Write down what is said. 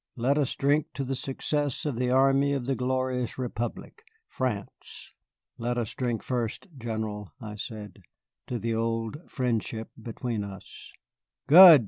Let us drink success to the army of the glorious Republic, France." "Let us drink first, General," I said, "to the old friendship between us." "Good!"